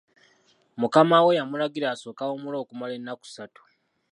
Mukama we yamulagira asooke awummule okumala ennaku ssatu.